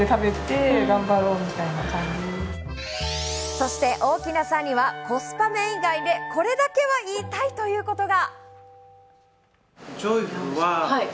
そして大木奈さんにはコスパ面以外でこれだけは言いたいということが。